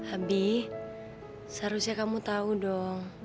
abi seharusnya kamu tahu dong